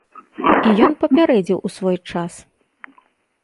І ён папярэдзіў у свой час.